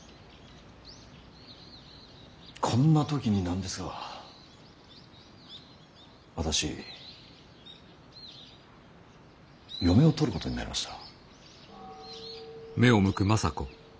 こんな時に何ですが私嫁を取ることになりました。